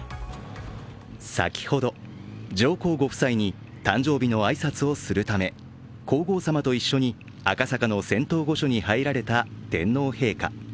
先ほど、上皇ご夫妻に誕生日の挨拶をするため皇后さまと一緒に赤坂の仙洞御所に入られた天皇陛下。